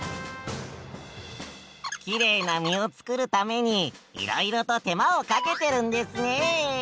きれいな実を作るためにいろいろと手間をかけてるんですね。